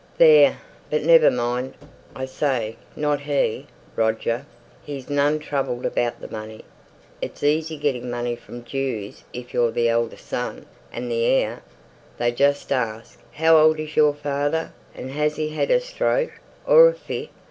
"There! But never mind! I say, not he, Roger! He's none troubled about the money. It's easy getting money from Jews if you're the eldest son, and the heir. They just ask, 'How old is your father, and has he had a stroke, or a fit?'